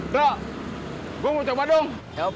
bunga ucam padung